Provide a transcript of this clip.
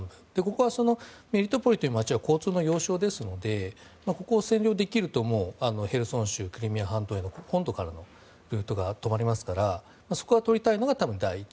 このメリトポリという街は交通の要衝ですのでここを占領できるとヘルソン州、クリミア半島の本土からのルートが止まりますからそこを取りたいのが第一。